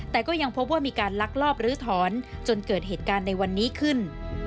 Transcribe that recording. แต่ก็ยังพบว่ามีการลักลอบลื้อถอนจนเกิดเหตุการณ์ในวันนี้ขึ้น